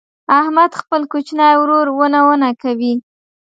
احمد خپل کوچنی ورور ونه ونه کوي.